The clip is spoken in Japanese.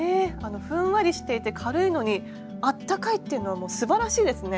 ふんわりしていて軽いのにあったかいっていうのはすばらしいですね。